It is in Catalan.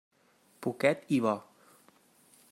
Poquet i bo.